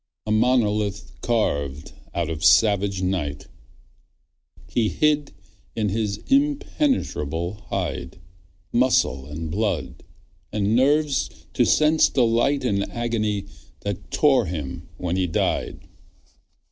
A monolith carved out of savage night, He hid in his impenetrable hide Muscle and blood, and nerves to sense delight And agony that tore him when he died.